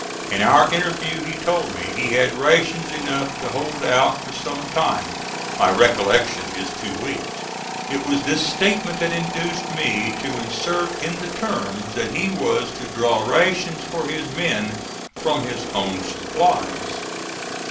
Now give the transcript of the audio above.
In our interview he told me he had rations enough to hold out for some time my recollection is two weeks. It was this statement that induced me to insert in the terms that he was to draw rations for his men from his own supplies.